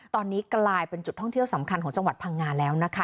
ตอนนี้กลายเป็นจุดท่องเที่ยวสำคัญของจังหวัดพังงาแล้วนะคะ